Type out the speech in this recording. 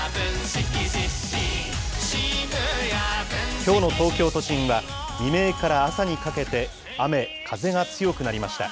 きょうの東京都心は、未明から朝にかけて、雨、風が強くなりました。